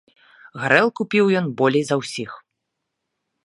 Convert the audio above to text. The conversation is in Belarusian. Гарэлку піў ён болей за ўсіх.